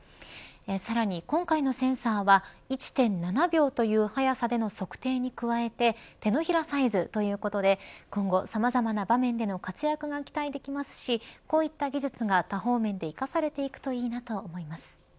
さらに今回のセンサーは１．７秒という速さでの測定に加えて手のひらサイズということで今後、さまざまな場面での活躍が期待できますしこういった技術が多方面で生かされていくといいなと思います。